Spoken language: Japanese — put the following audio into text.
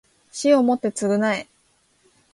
死をもって償え